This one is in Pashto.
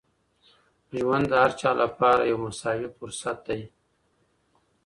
ژوند د هر چا لپاره یو مساوي فرصت دی.